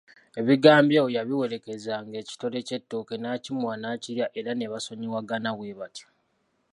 Ebigambo ebyo yabiwerekezanga ekitole ky’ettooke n’akimuwa n’akirya era ne basonyiwagana bwe batyo.